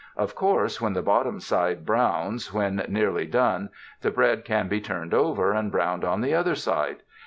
Of course when the bottom side browns when nearly done, the bread can be turned over and browned on the other side.